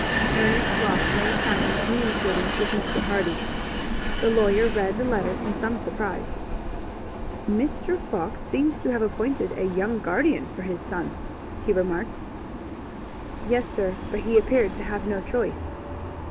Ernest lost no time in communicating with Mr. Hardy. The lawyer read the letter in some surprise. "Mr. Fox seems to have appointed a young guardian for his son," he remarked. "Yes, sir; but he appeared to have no choice."